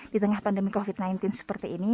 di tengah pandemi covid sembilan belas seperti ini